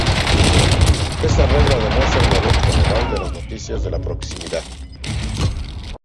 Esta regla demuestra el valor general de las noticias de proximidad.